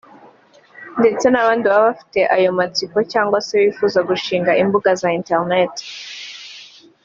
ndetse n’abandi baba bafite ayo matsiko cyangwa se bifuza gushinga imbuga za internet